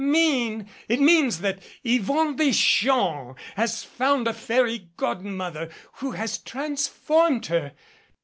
Mean! It means that Yvonne Des champs has found a fairy godmother who has transformed her.